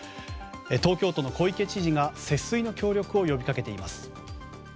東京都の小池知事が節水の協力を呼びかけています。